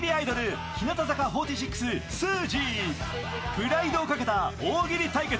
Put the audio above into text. プライドをかけた大喜利対決。